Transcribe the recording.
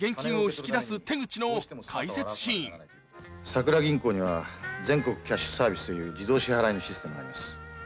サクラ銀行には全国キャッシュサービスという自動支払いのシステムがあります。